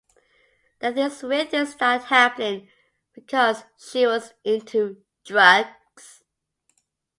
Then these weird things start happening because she was into drugs.